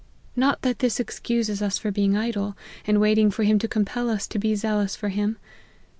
Not that this excuses us for being idle, and waiting for him to compel us to be zealous for him.